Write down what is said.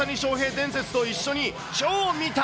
伝説と一緒に超見た。